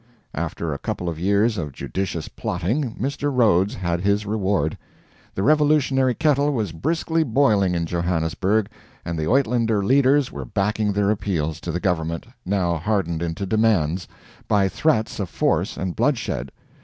After a couple of years of judicious plotting, Mr. Rhodes had his reward; the revolutionary kettle was briskly boiling in Johannesburg, and the Uitlander leaders were backing their appeals to the government now hardened into demands by threats of force and bloodshed.